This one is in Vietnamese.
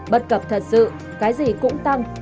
bất cập thật sự cái gì cũng tăng